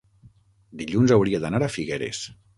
Dilluns hauria d'anar a Figueres.